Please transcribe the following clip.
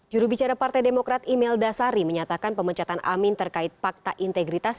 jurubicara partai demokrat imel dasari menyatakan pemecatan amin terkait pakta integritas